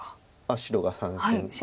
白が３線。